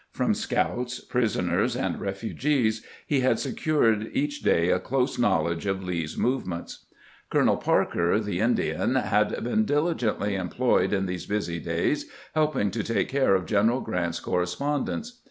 From scouts, prisoners, and refugees he had secured each day a close knowledge of Lee's movements. Colonel Parker, the Indian, had been diligently em ployed in these busy days helping to take care of Gen eral Grant's correspondence.